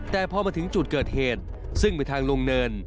แต่พอมาถึงจุดเกิดเหตุซึ่งเป็นทางลงเนิน